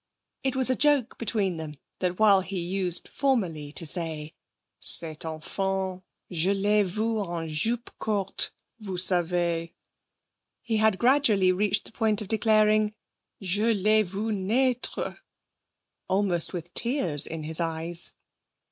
It was a joke between them that, while he used formerly to say, 'Cette enfant! Je l'ai vue en jupe courte, vous savez!' he had gradually reached the point of declaring, 'Je l'ai vue naître!' almost with tears in his eyes.